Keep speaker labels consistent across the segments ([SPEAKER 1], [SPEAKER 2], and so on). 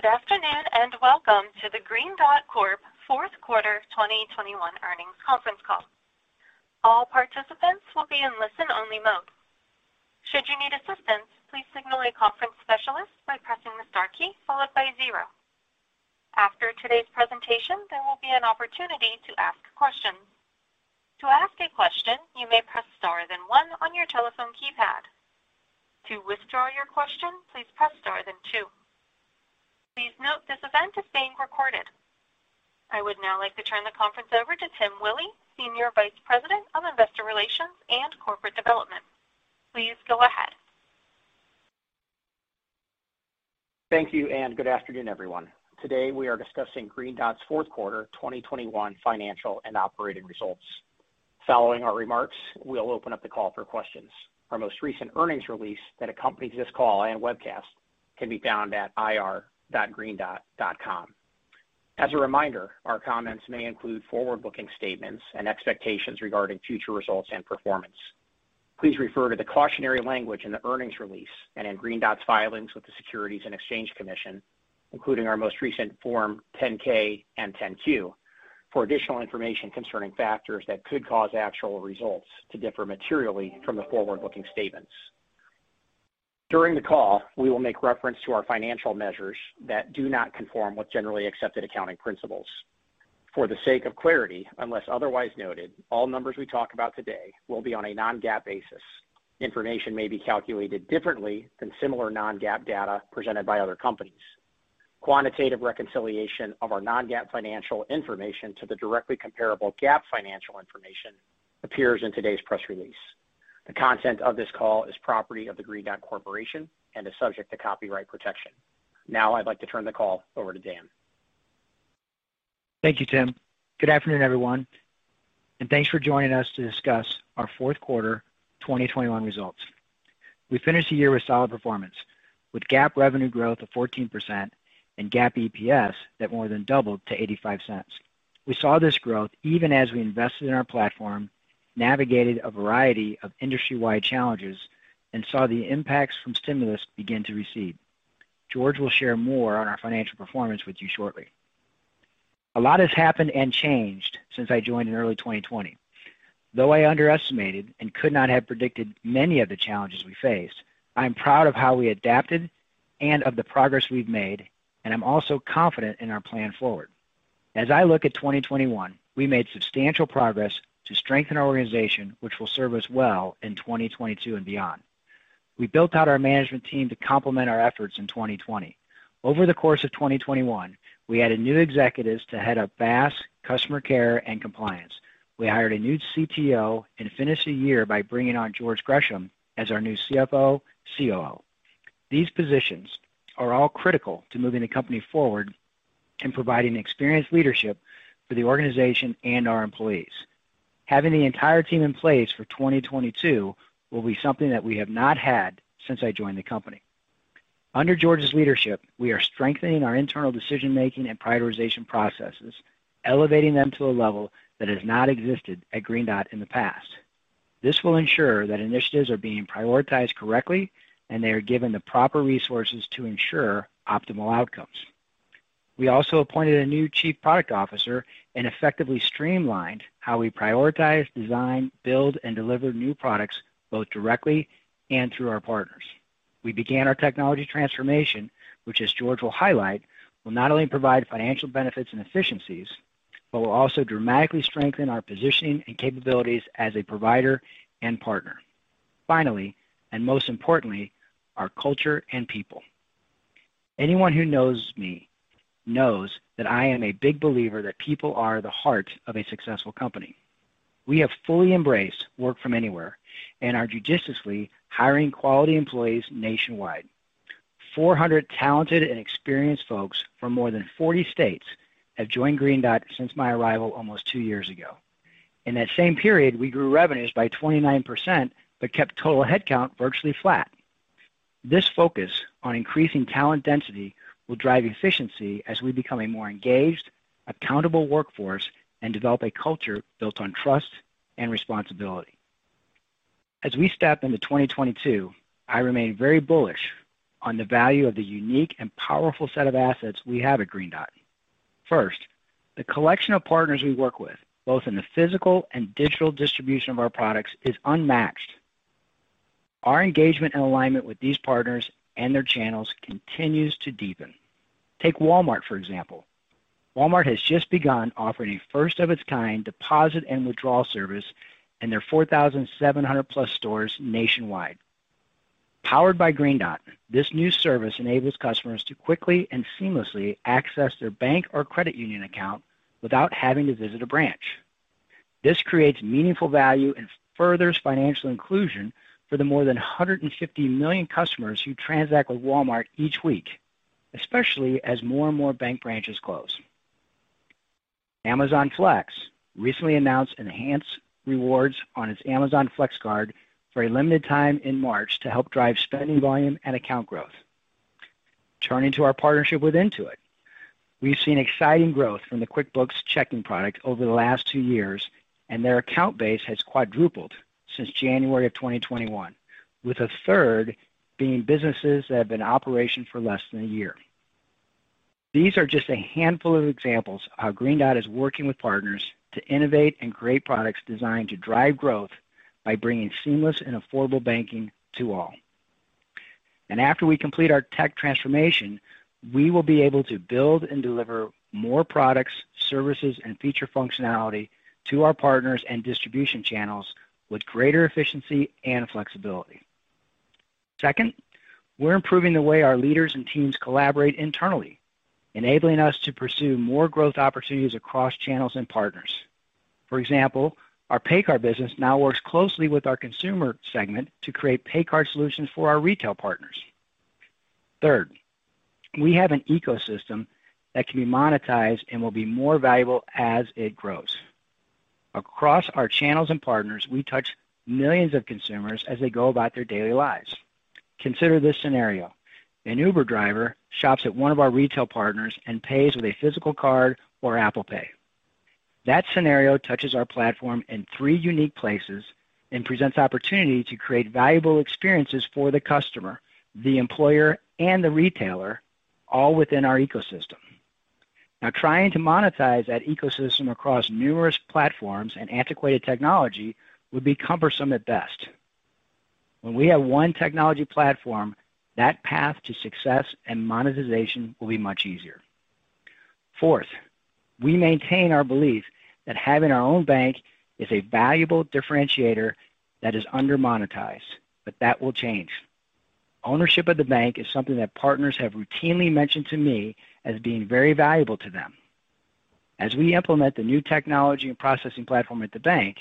[SPEAKER 1] Good afternoon, and welcome to the Green Dot Corporation Fourth Quarter 2021 earnings conference call. All participants will be in listen-only mode. Should you need assistance, please signal a conference specialist by pressing the star key followed by zero. After today's presentation, there will be an opportunity to ask questions. To ask a question, you may press star then one on your telephone keypad. To withdraw your question, please press star then two. Please note this event is being recorded. I would now like to turn the conference over to Tim Willi, Senior Vice President of Investor Relations and Corporate Development. Please go ahead.
[SPEAKER 2] Thank you, and good afternoon, everyone. Today we are discussing Green Dot's fourth quarter 2021 financial and operating results. Following our remarks, we'll open up the call for questions. Our most recent earnings release that accompanies this call and webcast can be found at ir.greendot.com. As a reminder, our comments may include forward-looking statements and expectations regarding future results and performance. Please refer to the cautionary language in the earnings release and in Green Dot's filings with the Securities and Exchange Commission, including our most recent Form 10-K and Form 10-Q, for additional information concerning factors that could cause actual results to differ materially from the forward-looking statements. During the call, we will make reference to our financial measures that do not conform with generally accepted accounting principles. For the sake of clarity, unless otherwise noted, all numbers we talk about today will be on a non-GAAP basis. Information may be calculated differently than similar non-GAAP data presented by other companies. Quantitative reconciliation of our non-GAAP financial information to the directly comparable GAAP financial information appears in today's press release. The content of this call is property of the Green Dot Corporation and is subject to copyright protection. Now I'd like to turn the call over to Dan.
[SPEAKER 3] Thank you, Tim. Good afternoon, everyone, and thanks for joining us to discuss our fourth quarter 2021 results. We finished the year with solid performance, with GAAP revenue growth of 14% and GAAP EPS that more than doubled to $0.85. We saw this growth even as we invested in our platform, navigated a variety of industry-wide challenges, and saw the impacts from stimulus begin to recede. George will share more on our financial performance with you shortly. A lot has happened and changed since I joined in early 2020. Though I underestimated and could not have predicted many of the challenges we faced, I am proud of how we adapted and of the progress we've made, and I'm also confident in our plan forward. As I look at 2021, we made substantial progress to strengthen our organization, which will serve us well in 2022 and beyond. We built out our management team to complement our efforts in 2020. Over the course of 2021, we added new executives to head up BaaS, Customer Care, and Compliance. We hired a new CTO and finished the year by bringing on George Gresham as our new CFO/COO. These positions are all critical to moving the company forward and providing experienced leadership for the organization and our employees. Having the entire team in place for 2022 will be something that we have not had since I joined the company. Under George's leadership, we are strengthening our internal decision-making and prioritization processes, elevating them to a level that has not existed at Green Dot in the past. This will ensure that initiatives are being prioritized correctly, and they are given the proper resources to ensure optimal outcomes. We also appointed a new Chief Product Officer and effectively streamlined how we prioritize, design, build, and deliver new products both directly and through our partners. We began our technology transformation, which, as George will highlight, will not only provide financial benefits and efficiencies but will also dramatically strengthen our positioning and capabilities as a provider and partner. Finally, and most importantly, our culture and people. Anyone who knows me knows that I am a big believer that people are the heart of a successful company. We have fully embraced work from anywhere and are judiciously hiring quality employees nationwide. 400 talented and experienced folks from more than 40 states have joined Green Dot since my arrival almost 2 years ago. In that same period we grew revenues by 29% but kept total headcount virtually flat. This focus on increasing talent density will drive efficiency as we become a more engaged, accountable workforce and develop a culture built on trust and responsibility. As we step into 2022, I remain very bullish on the value of the unique and powerful set of assets we have at Green Dot. First, the collection of partners we work with, both in the physical and digital distribution of our products, is unmatched. Our engagement and alignment with these partners and their channels continues to deepen. Take Walmart, for example. Walmart has just begun offering a first-of-its-kind deposit and withdrawal service in their 4,700+ stores nationwide. Powered by Green Dot, this new service enables customers to quickly and seamlessly access their bank or credit union account without having to visit a branch. This creates meaningful value and furthers financial inclusion for the more than 150 million customers who transact with Walmart each week, especially as more and more bank branches close. Amazon Flex recently announced enhanced rewards on its Amazon Flex card for a limited time in March to help drive spending volume and account growth. Turning to our partnership with Intuit. We've seen exciting growth from the QuickBooks Checking product over the last two years, and their account base has quadrupled since January of 2021, with a third being businesses that have been in operation for less than a year. These are just a handful of examples of how Green Dot is working with partners to innovate and create products designed to drive growth by bringing seamless and affordable banking to all. After we complete our Tech Transformation, we will be able to build and deliver more products, services, and feature functionality to our partners and distribution channels with greater efficiency and flexibility. Second, we're improving the way our leaders and teams collaborate internally, enabling us to pursue more growth opportunities across channels and partners. For example, our paycard business now works closely with our consumer segment to create paycard solutions for our retail partners. Third, we have an ecosystem that can be monetized and will be more valuable as it grows. Across our channels and partners, we touch millions of consumers as they go about their daily lives. Consider this scenario. An Uber driver shops at one of our retail partners and pays with a physical card or Apple Pay. That scenario touches our platform in three unique places and presents opportunity to create valuable experiences for the customer, the employer, and the retailer, all within our ecosystem. Now, trying to monetize that ecosystem across numerous platforms and antiquated technology would be cumbersome at best. When we have one technology platform, that path to success and monetization will be much easier. Fourth, we maintain our belief that having our own bank is a valuable differentiator that is under-monetized, but that will change. Ownership of the bank is something that partners have routinely mentioned to me as being very valuable to them. As we implement the new technology and processing platform at the bank,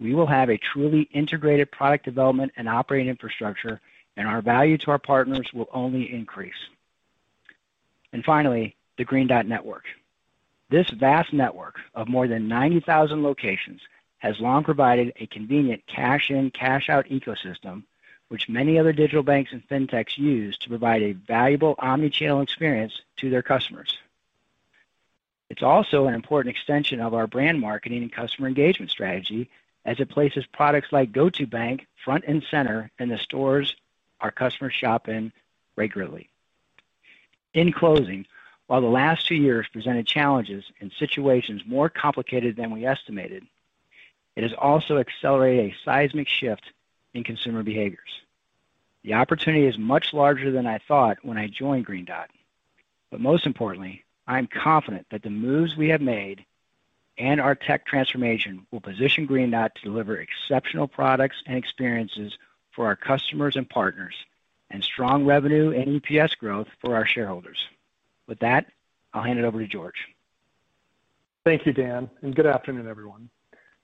[SPEAKER 3] we will have a truly integrated product development and operating infrastructure, and our value to our partners will only increase. Finally, the Green Dot Network. This vast network of more than 90,000 locations has long provided a convenient cash-in, cash-out ecosystem, which many other digital banks and fintechs use to provide a valuable omni-channel experience to their customers. It's also an important extension of our brand marketing and customer engagement strategy as it places products like GO2bank front and center in the stores our customers shop in regularly. In closing, while the last two years presented challenges and situations more complicated than we estimated, it has also accelerated a seismic shift in consumer behaviors. The opportunity is much larger than I thought when I joined Green Dot. most importantly, I'm confident that the moves we have made and our tech transformation will position Green Dot to deliver exceptional products and experiences for our customers and partners and strong revenue and EPS growth for our shareholders. With that, I'll hand it over to George.
[SPEAKER 4] Thank you, Dan, and good afternoon, everyone.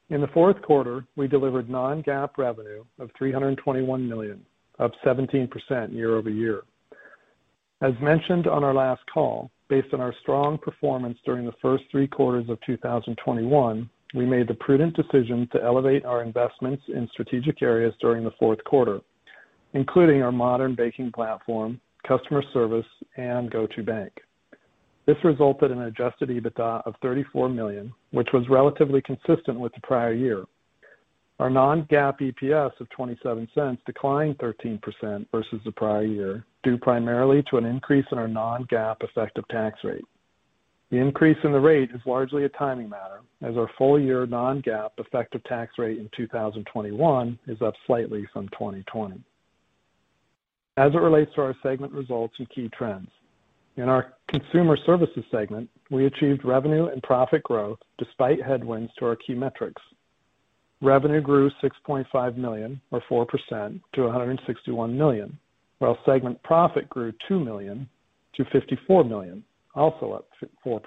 [SPEAKER 4] In the fourth quarter, we delivered non-GAAP revenue of $321 million, up 17% year-over-year. As mentioned on our last call, based on our strong performance during the first three quarters of 2021, we made the prudent decision to elevate our investments in strategic areas during the fourth quarter, including our modern banking platform, customer service, and GO2bank. This resulted in Adjusted EBITDA of $34 million, which was relatively consistent with the prior year. Our non-GAAP EPS of $0.27 declined 13% versus the prior year, due primarily to an increase in our non-GAAP effective tax rate. The increase in the rate is largely a timing matter, as our full-year non-GAAP effective tax rate in 2021 is up slightly from 2020. As it relates to our segment results and key trends, in our Consumer Services segment, we achieved revenue and profit growth despite headwinds to our key metrics. Revenue grew $6.5 million or 4% to $161 million, while segment profit grew $2 million to $54 million, also up 4%.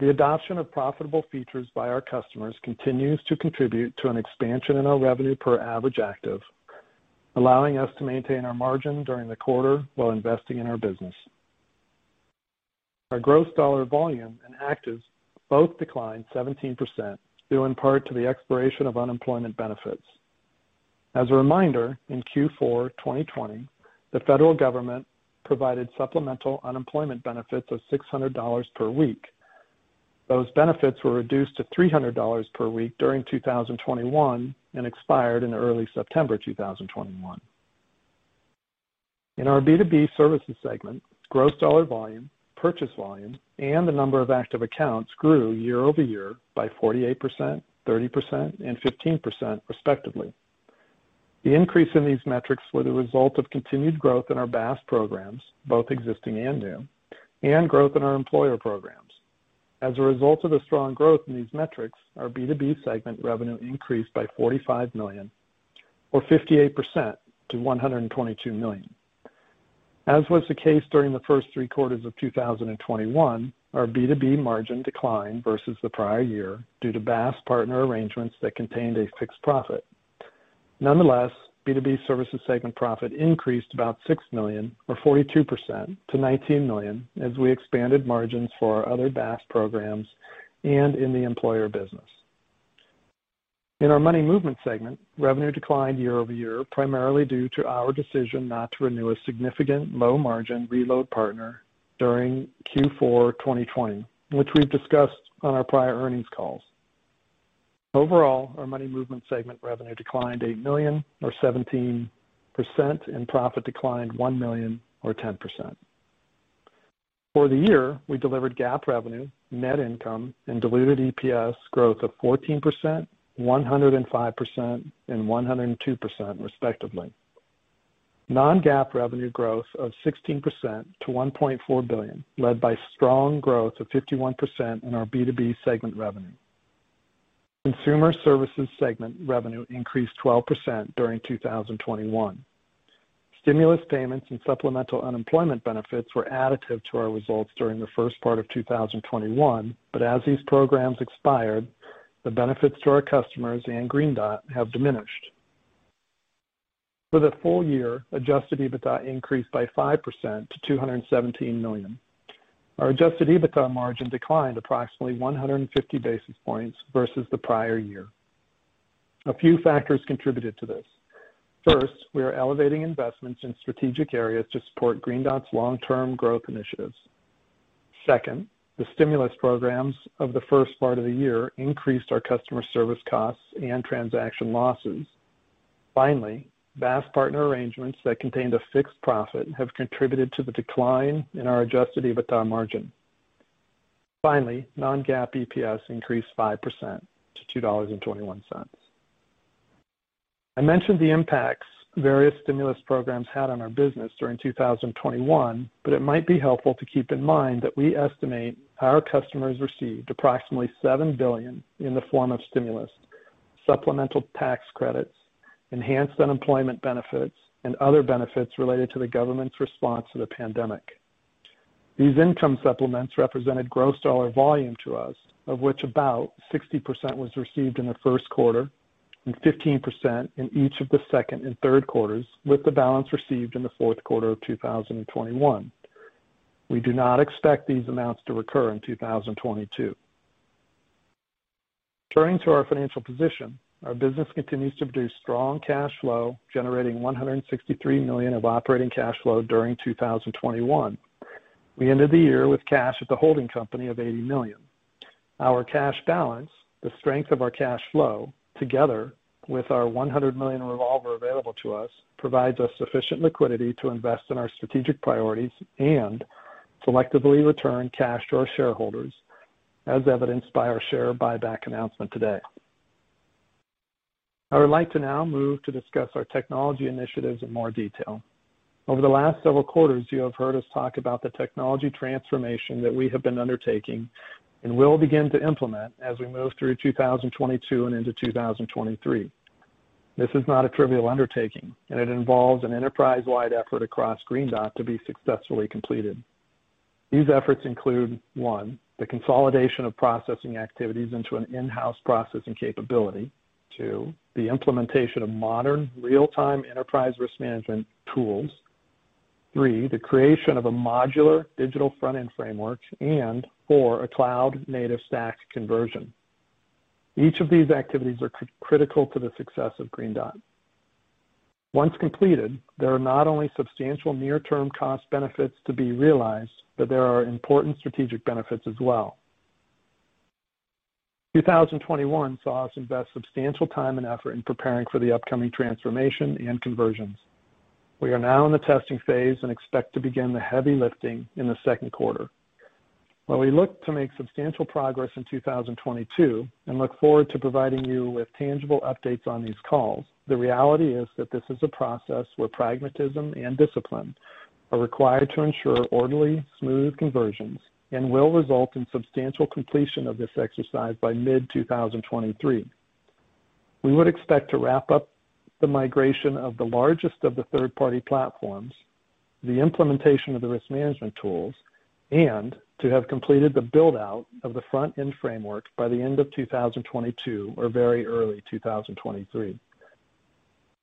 [SPEAKER 4] The adoption of profitable features by our customers continues to contribute to an expansion in our revenue per average active, allowing us to maintain our margin during the quarter while investing in our business. Our Gross Dollar Volume and actives both declined 17%, due in part to the expiration of unemployment benefits. As a reminder, in Q4 2020, the federal government provided supplemental unemployment benefits of $600 per week. Those benefits were reduced to $300 per week during 2021 and expired in early September 2021. In our B2B Services segment, Gross Dollar Volume, purchase volume, and the number of active accounts grew year-over-year by 48%, 30%, and 15% respectively. The increase in these metrics were the result of continued growth in our BaaS programs, both existing and new, and growth in our employer programs. As a result of the strong growth in these metrics, our B2B segment revenue increased by $45 million or 58% to $122 million. As was the case during the first three quarters of 2021, our B2B margin declined versus the prior year due to BaaS partner arrangements that contained a fixed profit. Nonetheless, B2B Services segment profit increased about $6 million or 42% to $19 million as we expanded margins for our other BaaS programs and in the employer business. In our Money Movement segment, revenue declined year-over-year, primarily due to our decision not to renew a significant low-margin reload partner during Q4 2020, which we've discussed on our prior earnings calls. Overall, our Money Movement segment revenue declined $8 million or 17% and profit declined $1 million or 10%. For the year, we delivered GAAP Revenue, net income, and diluted EPS growth of 14%, 105%, and 102% respectively. Non-GAAP Revenue growth of 16% to $1.4 billion, led by strong growth of 51% in our B2B segment revenue. Consumer Services segment revenue increased 12% during 2021. Stimulus payments and supplemental unemployment benefits were additive to our results during the first part of 2021. As these programs expired, the benefits to our customers and Green Dot have diminished. For the full year, Adjusted EBITDA increased by 5% to $217 million. Our Adjusted EBITDA margin declined approximately 150 basis points versus the prior year. A few factors contributed to this. First, we are elevating investments in strategic areas to support Green Dot's long-term growth initiatives. Second, the stimulus programs of the first part of the year increased our customer service costs and transaction losses. Finally, BaaS partner arrangements that contained a fixed profit have contributed to the decline in our Adjusted EBITDA margin. Finally, non-GAAP EPS increased 5% to $2.21. I mentioned the impacts various stimulus programs had on our business during 2021, but it might be helpful to keep in mind that we estimate our customers received approximately $7 billion in the form of stimulus, supplemental tax credits, enhanced unemployment benefits, and other benefits related to the government's response to the pandemic. These income supplements represented gross dollar volume to us, of which about 60% was received in the first quarter and 15% in each of the second and third quarters, with the balance received in the fourth quarter of 2021. We do not expect these amounts to recur in 2022. Turning to our financial position, our business continues to produce strong cash flow, generating $163 million of operating cash flow during 2021. We ended the year with cash at the holding company of $80 million. Our cash balance, the strength of our cash flow, together with our $100 million revolver available to us, provides us sufficient liquidity to invest in our strategic priorities and selectively return cash to our shareholders, as evidenced by our share buyback announcement today. I would like to now move to discuss our technology initiatives in more detail. Over the last several quarters you have heard us talk about the technology transformation that we have been undertaking and will begin to implement as we move through 2022 and into 2023. This is not a trivial undertaking and it involves an enterprise-wide effort across Green Dot to be successfully completed. These efforts include, 1, the consolidation of processing activities into an In-House Processing capability. 2, the implementation of modern real-time Enterprise Risk Management tools. 3, the creation of a Modular Digital Front-End framework. Four, a Cloud-Native Stack conversion. Each of these activities are critical to the success of Green Dot. Once completed, there are not only substantial near term cost benefits to be realized, but there are important strategic benefits as well. 2021 saw us invest substantial time and effort in preparing for the upcoming transformation and conversions. We are now in the testing phase and expect to begin the heavy lifting in the second quarter. While we look to make substantial progress in 2022 and look forward to providing you with tangible updates on these calls, the reality is that this is a process where pragmatism and discipline are required to ensure orderly, smooth conversions and will result in substantial completion of this exercise by mid-2023. We would expect to wrap up the migration of the largest of the third-party platforms, the implementation of the risk management tools, and to have completed the build out of the front-end framework by the end of 2022 or very early 2023.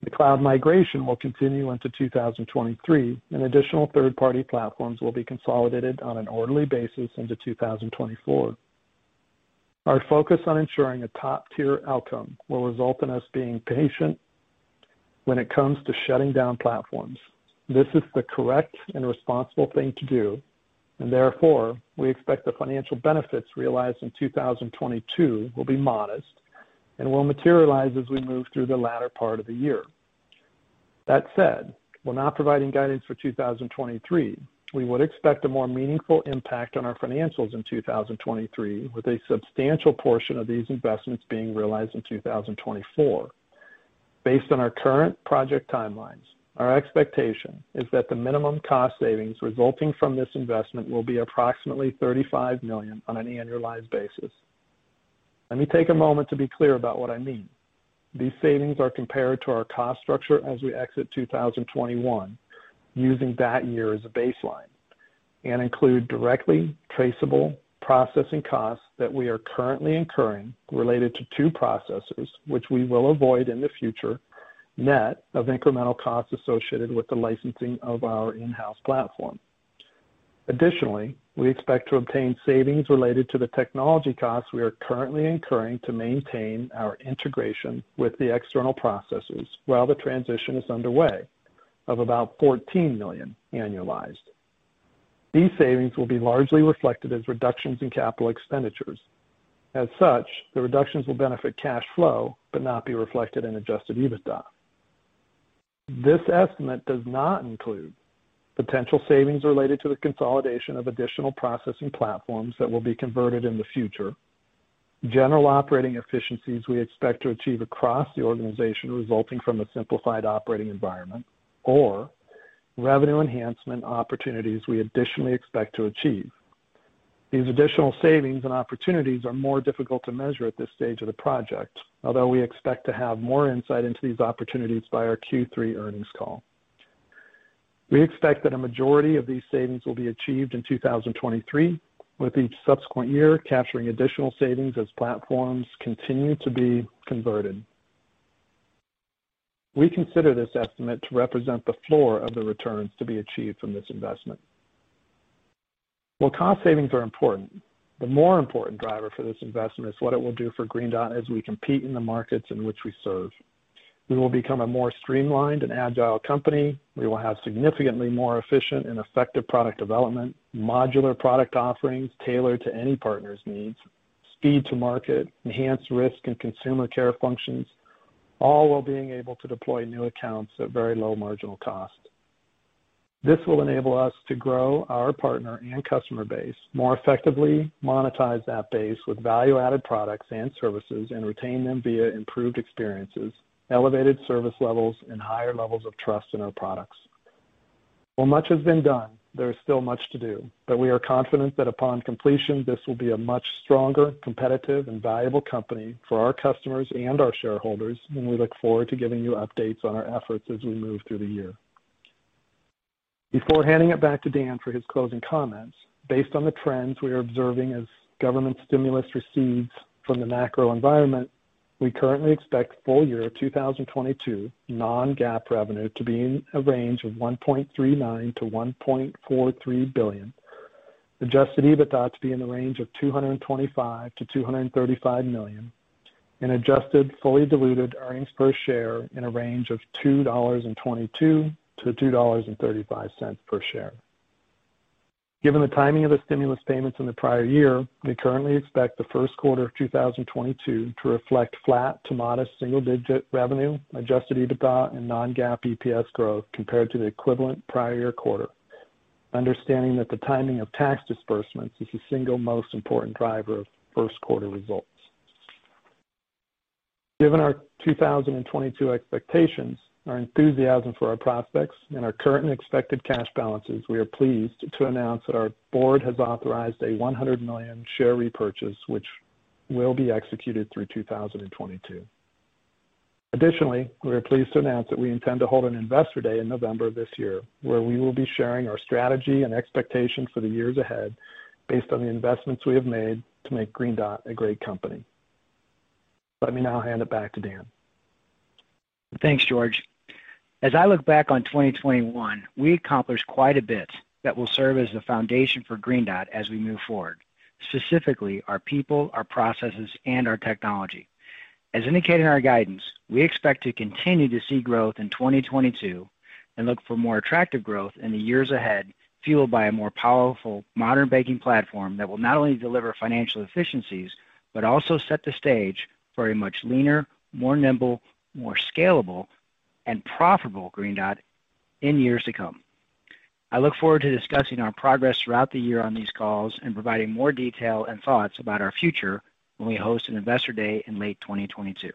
[SPEAKER 4] The cloud migration will continue into 2023, and additional third party platforms will be consolidated on an orderly basis into 2024. Our focus on ensuring a top-tier outcome will result in us being patient when it comes to shutting down platforms. This is the correct and responsible thing to do, and therefore we expect the financial benefits realized in 2022 will be modest and will materialize as we move through the latter part of the year. That said, we're not providing guidance for 2023. We would expect a more meaningful impact on our financials in 2023, with a substantial portion of these investments being realized in 2024. Based on our current project timelines, our expectation is that the minimum cost savings resulting from this investment will be approximately $35 million on an annualized basis. Let me take a moment to be clear about what I mean. These savings are compared to our cost structure as we exit 2021 using that year as a baseline and include directly traceable processing costs that we are currently incurring related to two processes which we will avoid in the future, net of incremental costs associated with the licensing of our in-house platform. Additionally, we expect to obtain savings related to the technology costs we are currently incurring to maintain our integration with the external processes while the transition is underway of about $14 million annualized. These savings will be largely reflected as reductions in Capital Expenditures. As such, the reductions will benefit cash flow but not be reflected in Adjusted EBITDA. This estimate does not include potential savings related to the consolidation of additional processing platforms that will be converted in the future. General operating efficiencies we expect to achieve across the organization resulting from a simplified operating environment or revenue enhancement opportunities we additionally expect to achieve. These additional savings and opportunities are more difficult to measure at this stage of the project, although we expect to have more insight into these opportunities by our Q3 earnings call. We expect that a majority of these savings will be achieved in 2023, with each subsequent year capturing additional savings as platforms continue to be converted. We consider this estimate to represent the floor of the returns to be achieved from this investment. While cost savings are important, the more important driver for this investment is what it will do for Green Dot as we compete in the markets in which we serve. We will become a more streamlined and agile company. We will have significantly more efficient and effective product development, modular product offerings tailored to any partner's needs, speed to market, enhanced risk and consumer care functions, all while being able to deploy new accounts at very low marginal cost. This will enable us to grow our partner and customer base more effectively, monetize that base with value-added products and services, and retain them via improved experiences, elevated service levels, and higher levels of trust in our products. While much has been done, there is still much to do, but we are confident that upon completion, this will be a much stronger, competitive, and valuable company for our customers and our shareholders, and we look forward to giving you updates on our efforts as we move through the year. Before handing it back to Dan for his closing comments. Based on the trends we are observing as government stimulus recedes from the macro environment, we currently expect full year 2022 non-GAAP revenue to be in a range of $1.39 billion-$1.43 billion, Adjusted EBITDA to be in the range of $225 million-$235 million, and Adjusted fully diluted earnings per share in a range of $2.22-$2.35 per share. Given the timing of the stimulus payments in the prior year, we currently expect the first quarter of 2022 to reflect flat to modest single-digit revenue, Adjusted EBITDA, and non-GAAP EPS growth compared to the equivalent prior year quarter, understanding that the timing of tax disbursements is the single most important driver of first quarter results. Given our 2022 expectations, our enthusiasm for our prospects and our current expected cash balances, we are pleased to announce that our board has authorized a $100 million share repurchase, which will be executed through 2022. Additionally, we are pleased to announce that we intend to hold an Investor Day in November of this year, where we will be sharing our strategy and expectations for the years ahead based on the investments we have made to make Green Dot a great company. Let me now hand it back to Dan.
[SPEAKER 3] Thanks, George. As I look back on 2021, we accomplished quite a bit that will serve as the foundation for Green Dot as we move forward, specifically our people, our processes, and our technology. As indicated in our guidance, we expect to continue to see growth in 2022 and look for more attractive growth in the years ahead, fueled by a more powerful modern banking platform that will not only deliver financial efficiencies, but also set the stage for a much leaner, more nimble, more scalable and profitable Green Dot in years to come. I look forward to discussing our progress throughout the year on these calls and providing more detail and thoughts about our future when we host an investor day in late 2022.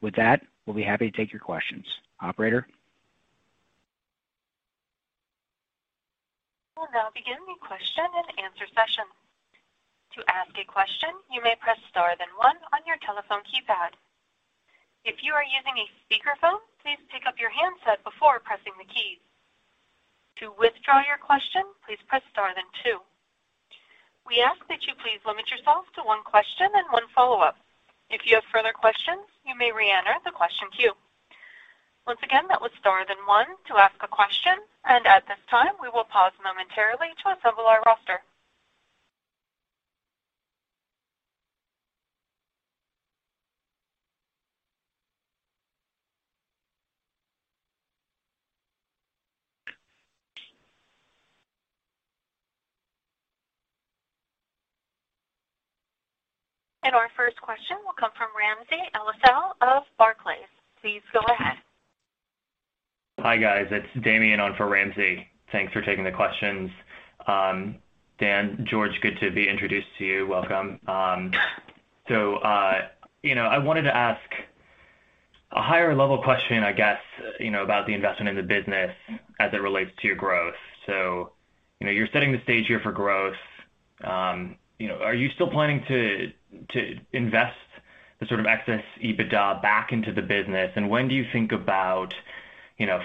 [SPEAKER 3] With that, we'll be happy to take your questions. Operator.
[SPEAKER 1] We'll now begin the question and answer session. To ask a question, you may press Star then one on your telephone keypad. If you are using a speakerphone, please pick up your handset before pressing the keys. To withdraw your question, please press Star then two. We ask that you please limit yourselves to one question and one follow-up. If you have further questions, you may re-enter the question queue. Once again, that was Star then one to ask a question. At this time, we will pause momentarily to assemble our roster. Our first question will come from Ramsey El-Assal of Barclays. Please go ahead.
[SPEAKER 5] Hi, guys. It's Damian on for Ramsey. Thanks for taking the questions. Dan, George, good to be introduced to you. Welcome. You know, I wanted to ask a higher level question, I guess, you know, about the investment in the business as it relates to your growth. You know, you're setting the stage here for growth. You know, are you still planning to invest the sort of excess EBITDA back into the business? And when do you think about, you know,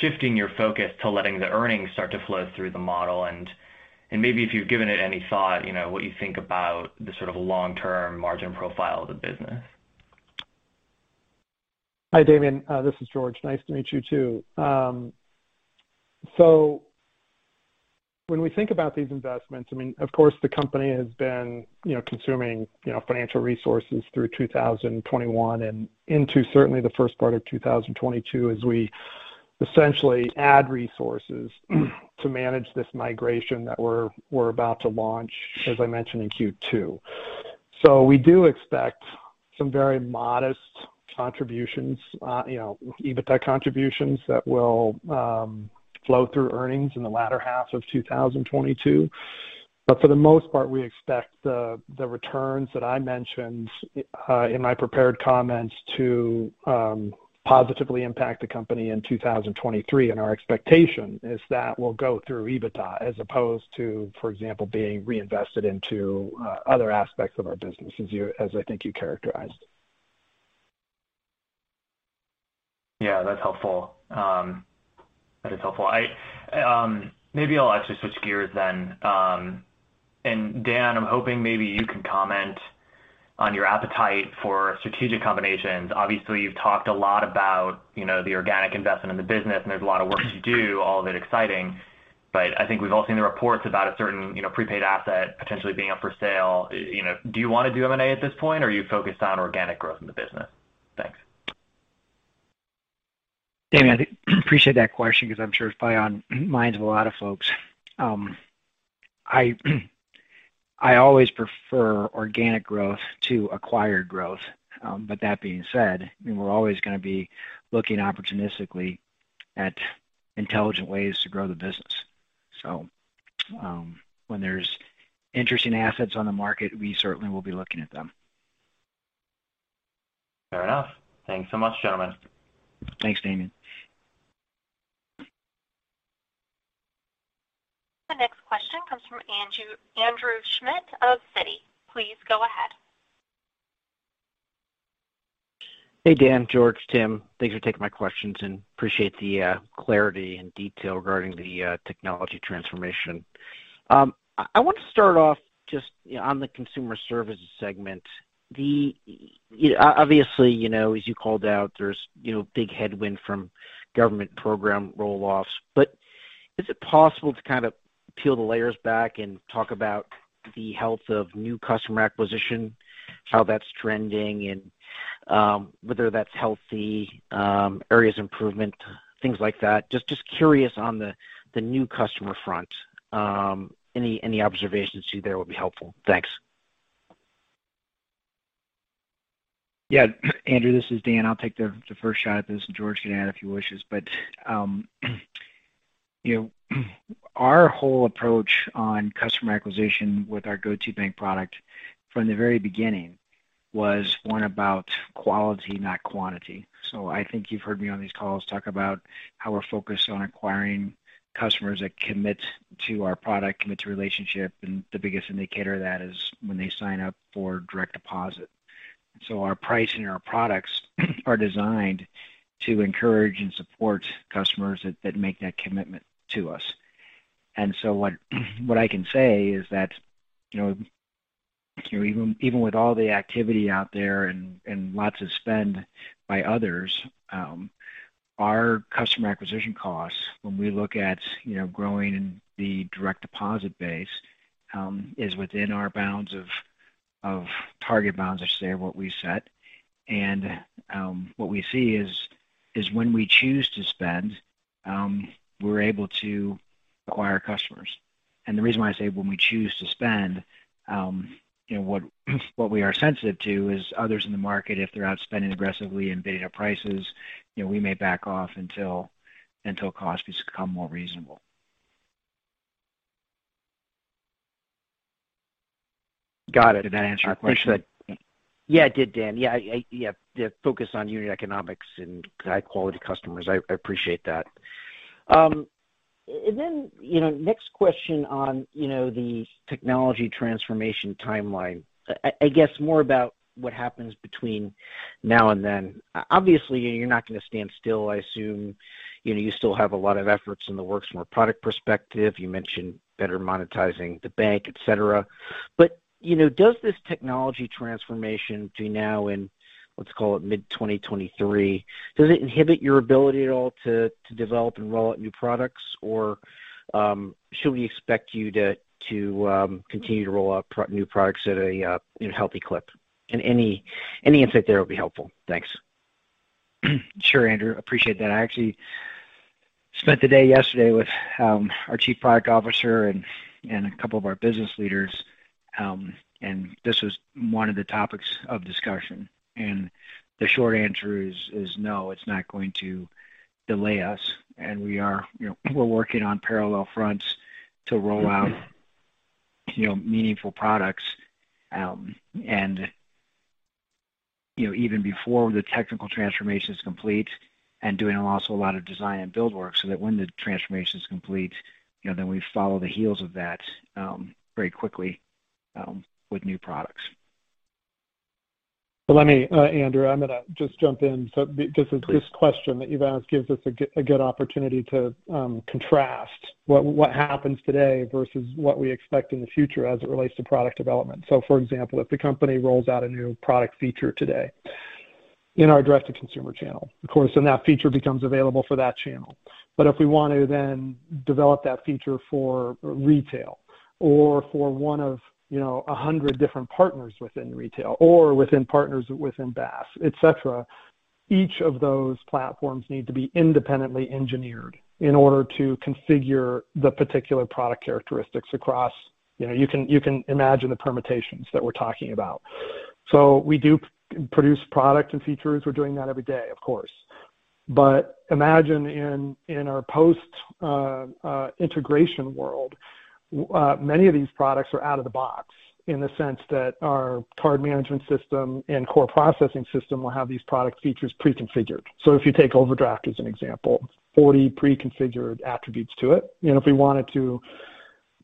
[SPEAKER 5] shifting your focus to letting the earnings start to flow through the model? And maybe if you've given it any thought, you know, what you think about the sort of long-term margin profile of the business?
[SPEAKER 4] Hi, Damian. This is George. Nice to meet you too. When we think about these investments, I mean, of course, the company has been, you know, consuming, you know, financial resources through 2021 and into certainly the first part of 2022 as we essentially add resources to manage this migration that we're about to launch, as I mentioned in Q2. We do expect some very modest contributions, you know, EBITDA contributions that will flow through earnings in the latter half of 2022. For the most part, we expect the returns that I mentioned in my prepared comments to positively impact the company in 2023, and our expectation is that we'll go through EBITDA as opposed to, for example, being reinvested into other aspects of our business as I think you characterized.
[SPEAKER 5] Yeah, that's helpful. Maybe I'll actually switch gears then. Dan, I'm hoping maybe you can comment on your appetite for strategic combinations. Obviously, you've talked a lot about, you know, the organic investment in the business, and there's a lot of work to do, all of it exciting. But I think we've all seen the reports about a certain, you know, prepaid asset potentially being up for sale. You know, do you want to do M&A at this point, or are you focused on organic growth in the business? Thanks.
[SPEAKER 3] Damian, I appreciate that question because I'm sure it's probably on minds of a lot of folks. I always prefer organic growth to acquired growth. That being said, I mean, we're always going to be looking opportunistically at intelligent ways to grow the business. When there's interesting assets on the market, we certainly will be looking at them.
[SPEAKER 5] Fair enough. Thanks so much, gentlemen.
[SPEAKER 3] Thanks, Damian.
[SPEAKER 1] The next question comes from Andrew Schmidt of Citi. Please go ahead.
[SPEAKER 6] Hey, Dan, George, Tim. Thanks for taking my questions, and appreciate the clarity and detail regarding the technology transformation. I want to start off just on the Consumer Services segment. Obviously, you know, as you called out, there's you know, big headwind from government program roll-offs. Is it possible to kind of peel the layers back and talk about the health of New Customer Acquisition, how that's trending, and whether that's healthy, areas improvement, things like that? Just curious on the new customer front. Any observations you'd share will be helpful. Thanks.
[SPEAKER 3] Yeah. Andrew, this is Dan. I'll take the first shot at this, and George can add if he wishes. You know, our whole approach on customer acquisition with our GO2bank product from the very beginning was one about quality, not quantity. I think you've heard me on these calls talk about how we're focused on acquiring customers that commit to our product, commit to relationship, and the biggest indicator of that is when they sign up for Direct Deposit. Our pricing and our products are designed to encourage and support customers that make that commitment to us. What I can say is that, you know, even with all the activity out there and lots of spend by others, our Customer Acquisition Costs when we look at, you know, growing the direct deposit base, is within our bounds of target bounds, I should say, of what we set. What we see is when we choose to spend, we're able to acquire customers. The reason why I say when we choose to spend, you know, what we are sensitive to is others in the market, if they're out spending aggressively and bidding up prices, you know, we may back off until costs become more reasonable.
[SPEAKER 6] Got it.
[SPEAKER 3] Did that answer your question?
[SPEAKER 6] I appreciate that. Yeah, it did, Dan. Yeah, the focus on unit economics and high-quality customers, I appreciate that. And then, you know, the technology transformation timeline. I guess more about what happens between now and then. Obviously, you're not going to stand still, I assume. You know, you still have a lot of efforts in the works from a product perspective. You mentioned better monetizing the bank, et cetera. You know, does this technology transformation between now and, let's call it mid-2023, does it inhibit your ability at all to develop and roll out new products? Or, should we expect you to continue to roll out new products at a healthy clip? Any insight there will be helpful. Thanks.
[SPEAKER 3] Sure, Andrew. Appreciate that. I actually spent the day yesterday with our Chief Product Officer and a couple of our business leaders, and this was one of the topics of discussion. The short answer is no, it's not going to delay us. We are, you know, we're working on parallel fronts to roll out, you know, meaningful products. You know, even before the technical transformation is complete and doing also a lot of design and build work so that when the transformation is complete, you know, then we follow on the heels of that very quickly with new products.
[SPEAKER 4] Let me, Andrew, I'm going to just jump in.
[SPEAKER 3] Please.
[SPEAKER 4] This question that you've asked gives us a good opportunity to contrast what happens today versus what we expect in the future as it relates to product development. For example, if the company rolls out a new product feature today in our Direct-to-Consumer channel, of course, then that feature becomes available for that channel. If we want to then develop that feature for Retail or for one of, you know, a hundred different partners within retail or within partners within BaaS, et cetera, each of those platforms need to be independently engineered in order to configure the particular product characteristics across. You know, you can imagine the permutations that we're talking about. We do produce product and features. We're doing that every day, of course. Imagine in our post integration world, many of these products are out-of-the-box in the sense that our Card Management System and Core Processing System will have these product features pre-configured. If you take overdraft as an example, 40 pre-configured attributes to it. You know, if we wanted to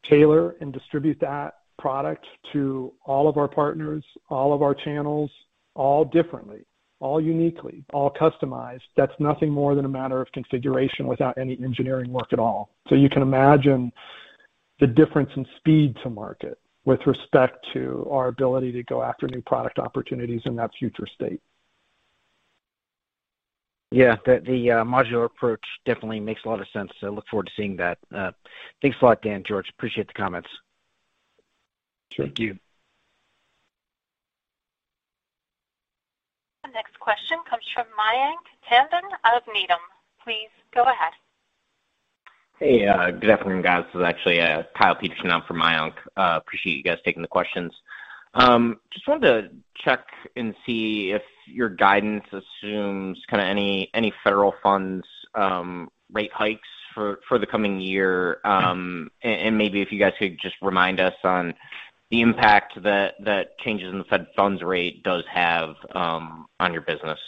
[SPEAKER 4] tailor and distribute that product to all of our partners, all of our channels, all differently, all uniquely, all customized, that's nothing more than a matter of configuration without any engineering work at all. You can imagine the difference in speed-to-market with respect to our ability to go after new product opportunities in that future state.
[SPEAKER 3] Yeah. The modular approach definitely makes a lot of sense. I look forward to seeing that.
[SPEAKER 6] Thanks a lot, Dan, George. Appreciate the comments.
[SPEAKER 4] Sure.
[SPEAKER 1] Thank you. The next question comes from Mayank Tandon out of Needham. Please go ahead.
[SPEAKER 7] Hey, good afternoon, guys. This is actually Kyle Peterson. I'm from Mayank. Appreciate you guys taking the questions. Just wanted to check and see if your guidance assumes kinda any federal funds rate hikes for the coming year. And maybe if you guys could just remind us on the impact that changes in the Fed Funds Rate does have on your business.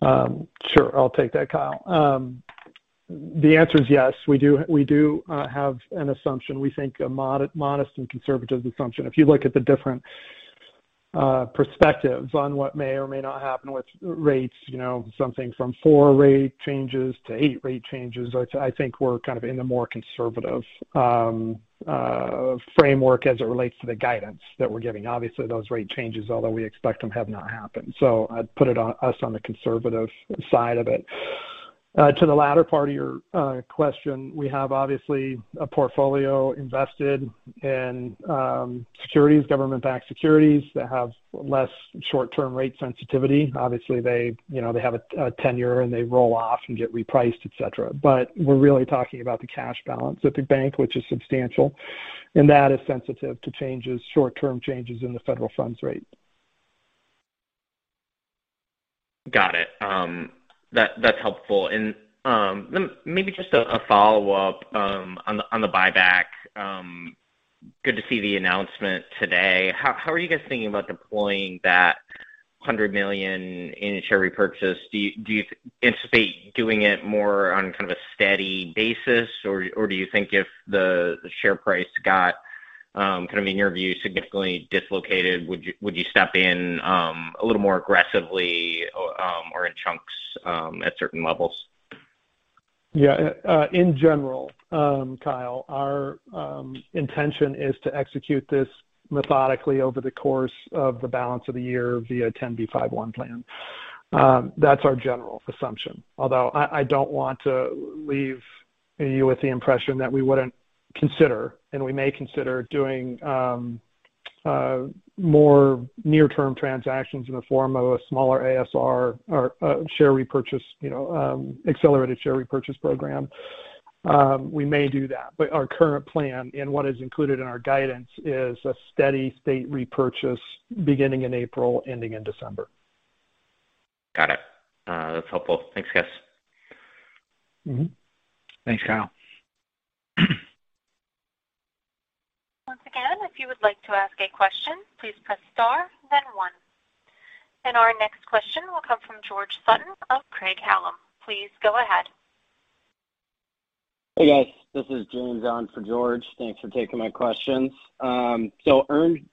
[SPEAKER 4] Sure. I'll take that, Kyle. The answer is yes. We do have an assumption. We think a modest and conservative assumption. If you look at the different perspectives on what may or may not happen with rates, you know, something from four rate changes to eight rate changes, I think we're kind of in the more conservative framework as it relates to the guidance that we're giving. Obviously, those rate changes, although we expect them, have not happened. I'd put us on the conservative side of it. To the latter part of your question, we have obviously a portfolio invested in securities, government-backed securities that have less short-term rate sensitivity. Obviously, they, you know, they have a tenor, and they roll off and get repriced, et cetera. We're really talking about the cash balance at the bank, which is substantial, and that is sensitive to changes, short-term changes in the federal funds rate.
[SPEAKER 7] Got it. That's helpful. Maybe just a follow-up on the buyback. Good to see the announcement today. How are you guys thinking about deploying that $100 million in a share repurchase? Do you anticipate doing it more on kind of a steady basis? Or do you think if the share price got kind of in your view, significantly dislocated, would you step in a little more aggressively or in chunks at certain levels?
[SPEAKER 4] Yeah. In general, Kyle, our intention is to execute this methodically over the course of the balance of the year via 10b5-1 plan. That's our general assumption. Although I don't want to leave you with the impression that we wouldn't consider, and we may consider doing, more near-term transactions in the form of a smaller ASR or share repurchase, you know, accelerated share repurchase program. We may do that, but our current plan and what is included in our guidance is a steady-state repurchase beginning in April, ending in December.
[SPEAKER 7] Got it. That's helpful. Thanks, guys.
[SPEAKER 4] Mm-hmm.
[SPEAKER 3] Thanks, Kyle.
[SPEAKER 1] Once again, if you would like to ask a question, please press star then one. Our next question will come from George Sutton of Craig-Hallum. Please go ahead.
[SPEAKER 8] Hey, guys. This is James on for George. Thanks for taking my questions. Earned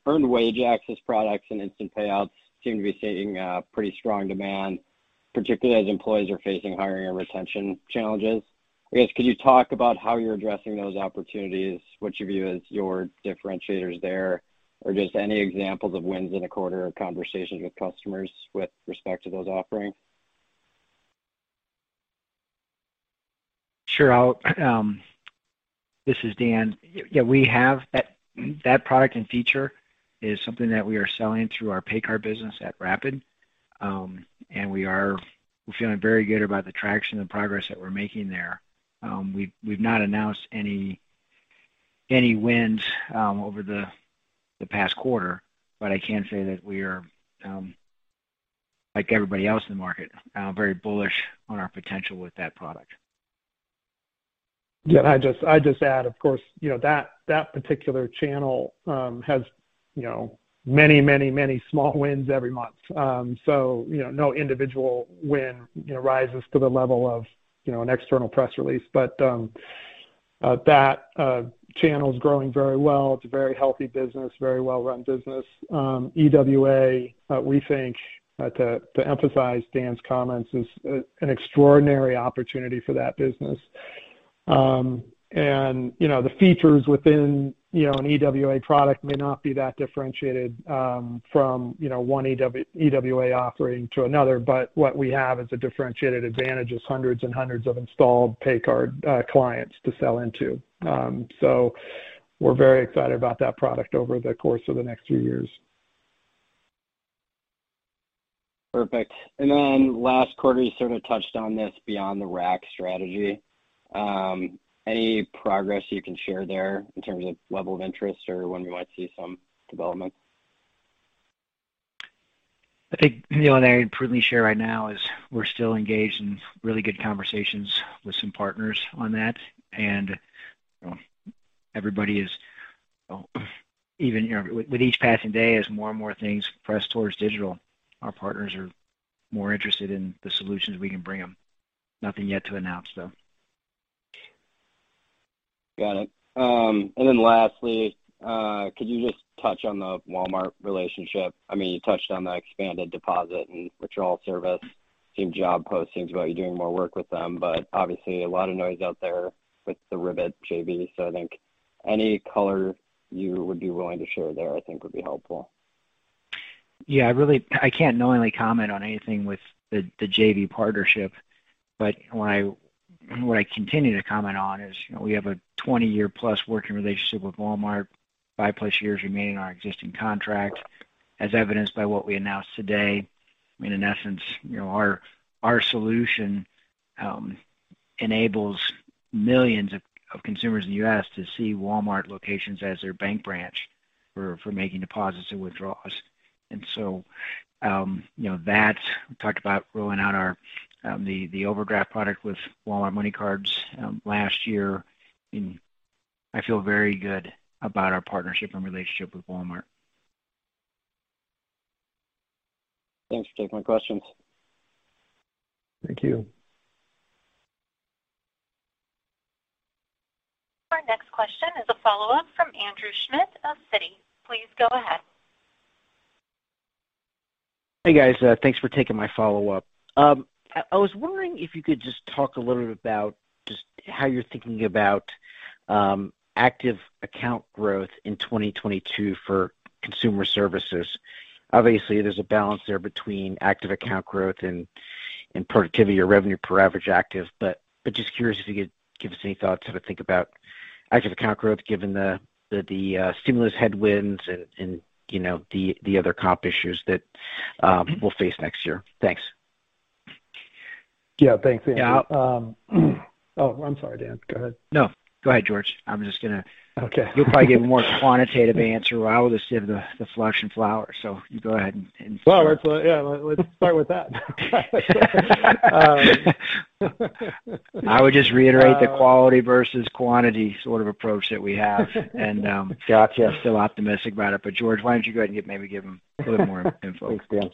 [SPEAKER 8] Wage Access products and instant payouts seem to be seeing a pretty strong demand, particularly as employees are facing hiring and retention challenges. I guess, could you talk about how you're addressing those opportunities? What you view as your differentiators there, or just any examples of wins in the quarter or conversations with customers with respect to those offerings?
[SPEAKER 3] This is Dan. Yeah, we have that product and feature is something that we are selling through our paycard business at rapid!. We are feeling very good about the traction and progress that we're making there. We've not announced any wins over the past quarter, but I can say that we are like everybody else in the market very bullish on our potential with that product.
[SPEAKER 4] Yeah. I'd just add, of course, you know, that particular channel has, you know, many small wins every month. So, you know, no individual win, you know, rises to the level of, you know, an external press release. That channel's growing very well. It's a very healthy business, very well-run business. EWA, we think, to emphasize Dan's comments, is an extraordinary opportunity for that business. The features within, you know, an EWA product may not be that differentiated, from, you know, one EWA offering to another. But what we have is a differentiated advantage of hundreds of installed paycard clients to sell into. So we're very excited about that product over the course of the next few years.
[SPEAKER 8] Perfect. Last quarter, you sort of touched on this Beyond the Rack strategy. Any progress you can share there in terms of level of interest or when we might see some development?
[SPEAKER 3] I think, Neil, what I can presently share right now is we're still engaged in really good conversations with some partners on that. You know, everybody is. You know, even, you know, with each passing day, as more and more things press towards digital, our partners are more interested in the solutions we can bring them. Nothing yet to announce, though.
[SPEAKER 8] Got it. Lastly, could you just touch on the Walmart relationship? I mean, you touched on the expanded deposit and withdrawal service. Same job post seems about you doing more work with them, but obviously a lot of noise out there with the Ribbit JV. I think any color you would be willing to share there, I think would be helpful.
[SPEAKER 3] Yeah. I can't knowingly comment on anything with the JV partnership. But what I continue to comment on is, you know, we have a 20-year+ working relationship with Walmart, 5+ years remaining on our existing contract, as evidenced by what we announced today. I mean, in essence, you know, our solution enables millions of consumers in the U.S. to see Walmart locations as their bank branch for making deposits and withdrawals. We talked about rolling out our overdraft product with Walmart MoneyCards last year. I feel very good about our partnership and relationship with Walmart.
[SPEAKER 8] Thanks for taking my questions.
[SPEAKER 4] Thank you.
[SPEAKER 1] Our next question is a follow-up from Andrew Schmidt of Citi. Please go ahead.
[SPEAKER 6] Hey, guys. Thanks for taking my follow-up. I was wondering if you could just talk a little bit about just how you're thinking about Active Account growth in 2022 for Consumer Services. Obviously, there's a balance there between active account growth and productivity or Revenue per Average Active. Just curious if you could give us any thoughts how to think about active account growth given the stimulus headwinds and you know, the other comp issues that we'll face next year. Thanks.
[SPEAKER 4] Yeah. Thanks, Andrew.
[SPEAKER 6] Yeah.
[SPEAKER 4] Oh, I'm sorry, Dan. Go ahead.
[SPEAKER 6] No, go ahead, George. I'm just gonna
[SPEAKER 3] Okay. You'll probably give a more quantitative answer while I'll just give the fluff and flower. You go ahead and
[SPEAKER 4] Flower. Yeah. Let's start with that.
[SPEAKER 3] I would just reiterate the Quality versus Quantity sort of approach that we have. Gotcha I'm still optimistic about it. George, why don't you go ahead and maybe give him a little more info.
[SPEAKER 4] Thanks, Dan.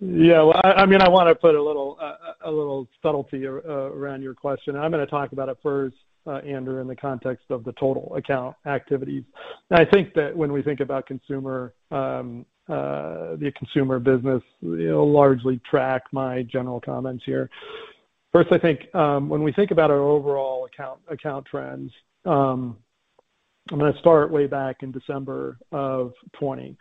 [SPEAKER 4] Yeah. Well, I mean, I wanna put a little subtlety around your question. I'm gonna talk about it first, Andrew, in the context of the total account activities. I think that when we think about consumer, the Consumer business, it'll largely track my general comments here. First, I think, when we think about our overall account trends, I'm gonna start way back in December of 2020,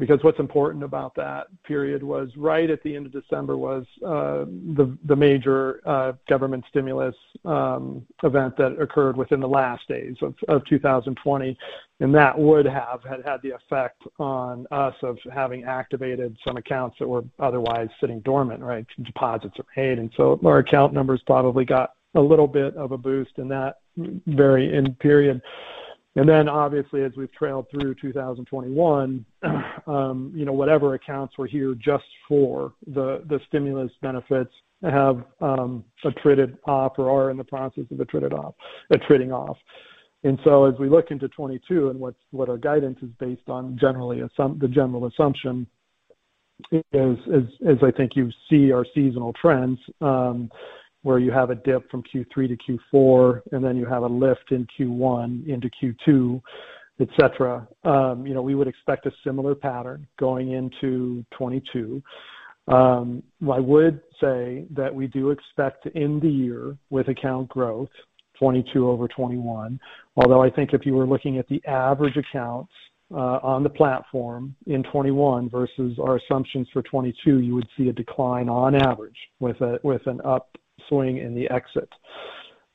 [SPEAKER 4] because what's important about that period was right at the end of December, the major government stimulus event that occurred within the last days of two thousand twenty, and that would have had the effect on us of having activated some accounts that were otherwise sitting dormant, right? Deposits were paid, and so our account numbers probably got a little bit of a boost in that very end period. Obviously as we've trailed through 2021, you know, whatever accounts were here just for the stimulus benefits have attrited off or are in the process of attriting off. As we look into 2022 and what our guidance is based on the general assumption is I think you see our seasonal trends, where you have a dip from Q3 to Q4, and then you have a lift in Q1 into Q2, et cetera. You know, we would expect a similar pattern going into 2022. I would say that we do expect to end the year with account growth 2022 over 2021. Although I think if you were looking at the average accounts on the platform in 2021 versus our assumptions for 2022, you would see a decline on average with an upswing in the exit.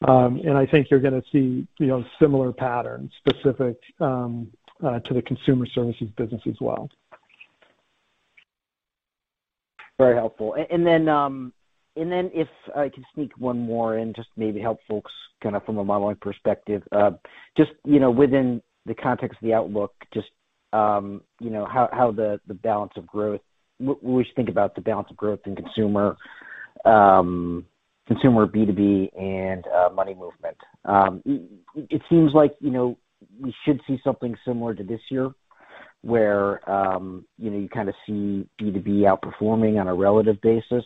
[SPEAKER 4] I think you're gonna see, you know, similar patterns specific to the Consumer Services business as well.
[SPEAKER 6] Very helpful. If I could sneak one more in, just maybe help folks kinda from a modeling perspective. Just, you know, within the context of the outlook, just, you know, how the balance of growth. When we think about the balance of growth in consumer Consumer B2B and Money Movement. It seems like, you know, we should see something similar to this year where, you kinda see B2B outperforming on a relative basis.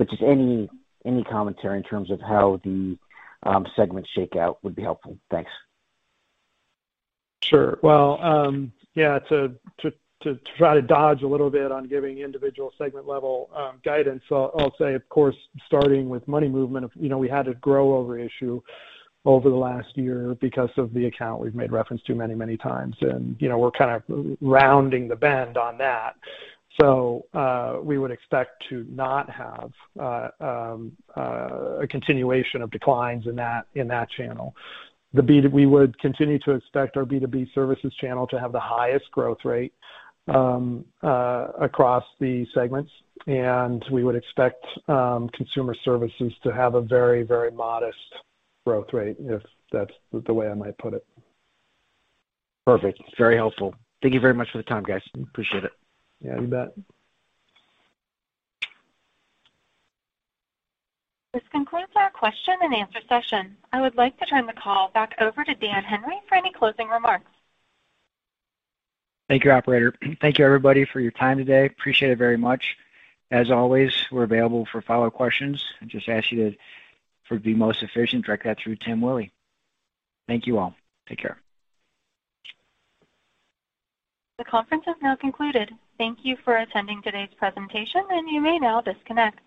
[SPEAKER 6] Just any commentary in terms of how the segments shake out would be helpful. Thanks.
[SPEAKER 4] Sure. Well, yeah, to try to dodge a little bit on giving individual segment level guidance, I'll say, of course, starting with Money Movement, you know, we had a growth over issue over the last year because of the account we've made reference to many times. You know, we're kinda rounding the bend on that. We would expect to not have a continuation of declines in that channel. We would continue to expect our B2B Services channel to have the highest growth rate across the segments, and we would expect Consumer Services to have a very modest growth rate, if that's the way I might put it.
[SPEAKER 6] Perfect. Very helpful. Thank you very much for the time, guys. Appreciate it.
[SPEAKER 4] Yeah, you bet.
[SPEAKER 1] This concludes our question and answer session. I would like to turn the call back over to Dan Henry for any closing remarks.
[SPEAKER 3] Thank you, operator. Thank you everybody for your time today. Appreciate it very much. As always, we're available for follow questions. I just ask you to, for it to be most efficient, direct that through Tim Willi. Thank you all. Take care.
[SPEAKER 1] The conference has now concluded. Thank you for attending today's presentation, and you may now disconnect.